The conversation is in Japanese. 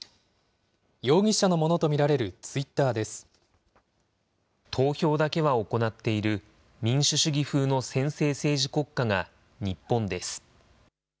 容疑者のものと見られるツイッタ投票だけは行っている、民主主義風の専制政治国家が日本です。